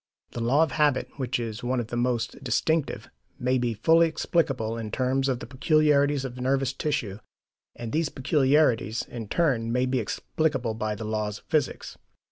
The law of habit, which is one of the most distinctive, may be fully explicable in terms of the peculiarities of nervous tissue, and these peculiarities, in turn, may be explicable by the laws of physics.